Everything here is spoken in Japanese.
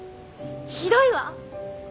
ひどいわ！